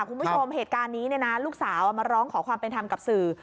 คุณผู้ชมเหตุการณ์นี้เนี่ยนะลูกสาวมาร้องขอความเป็นธรรมกับสื่อ